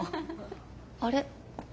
あれ？